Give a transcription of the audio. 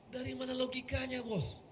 dari mana logikanya bos